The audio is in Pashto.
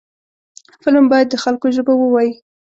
فلم باید د خلکو ژبه ووايي